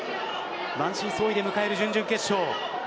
満身創痍で迎える準々決勝。